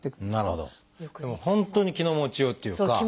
でも本当に気の持ちようっていうか。